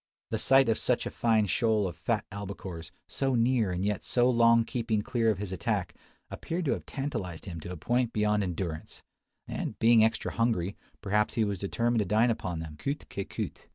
The sight of such a fine shoal of fat albacores, so near and yet so long keeping clear of his attack, appeared to have tantalised him to a point beyond endurance; and, being extra hungry, perhaps he was determined to dine upon them, coute qui coute.